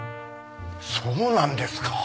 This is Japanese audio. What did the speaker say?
そうなんですか。